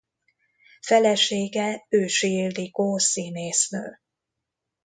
Felesége Ősi Ildikó színésznő.